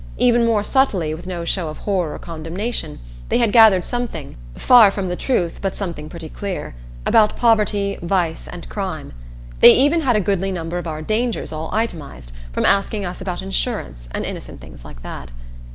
Even more subtly with no show of horror or condemnation, they had gathered something far from the truth, but something pretty clear about poverty, vice, and crime. They even had a goodly number of our dangers all itemized, from asking us about insurance and innocent things like that.